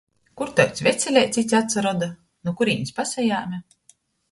Kur taids veceleits ite atsaroda, nu kurīnis pasajēme?